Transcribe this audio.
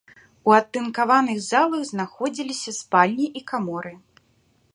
У адтынкаваных залах знаходзіліся спальні і каморы.